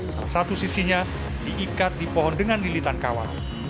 salah satu sisinya diikat di pohon dengan lilitan kawah